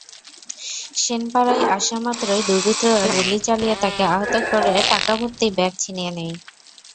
সেনপাড়ায় আসামাত্রই দুর্বৃত্তরা গুলি চালিয়ে তাঁকে আহত করে টাকাভর্তি ব্যাগ ছিনিয়ে নেয়।